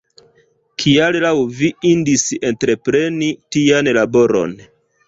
Kial laŭ vi indis entrepreni tian laboron?